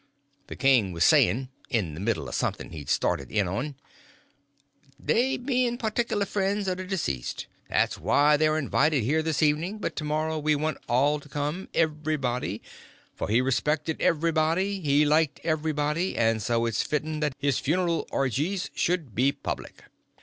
The king was saying—in the middle of something he'd started in on— "—they bein' partickler friends o' the diseased. That's why they're invited here this evenin'; but tomorrow we want all to come—everybody; for he respected everybody, he liked everybody, and so it's fitten that his funeral orgies sh'd be public."